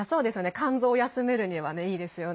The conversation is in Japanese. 肝臓を休めるにはいいですよね。